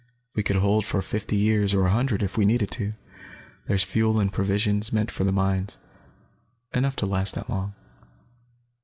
We could hold for fifty years, or a hundred, if we needed to. There's fuel and provisions, meant for the mines, enough to last that long.